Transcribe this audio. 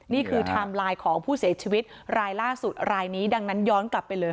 ไทม์ไลน์ของผู้เสียชีวิตรายล่าสุดรายนี้ดังนั้นย้อนกลับไปเลย